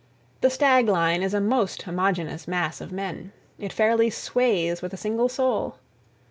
The stag line is a most homogeneous mass of men. It fairly sways with a single soul.